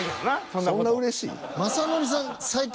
そんなうれしい？